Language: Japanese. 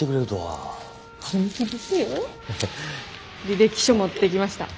履歴書持ってきました。